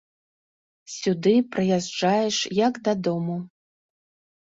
Сюды прыязджаеш як дадому.